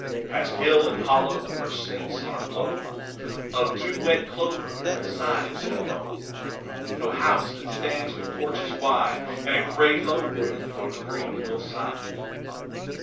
Past hill and hollow, whence scents are blown Of dew wet clover that scythes have mown; To a house that stands with porches wide And gray low roof on the green hill side.